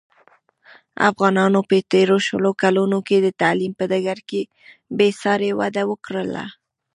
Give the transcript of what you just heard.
افغانانو په تېرو شلو کلونوکې د تعلیم په ډګر کې بې ساري وده وکړله.